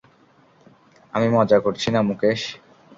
আমি মজা করছি না, মুকেশ।